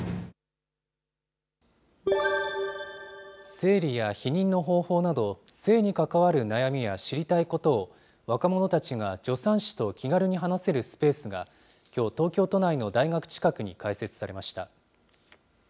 生理や避妊の方法など、性に関わる悩みや知りたいことを、若者たちが助産師と気軽に話せるスペースが、きょう東京都内の大学近くに開設されました。